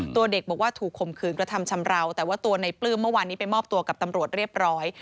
ตัวเด็กบอกว่าถูกข่มขืนกระทำชำราวแต่ว่าตัวในปลื้มเมื่อวานนี้ไปมอบตัวกับตำรวจเรียบร้อย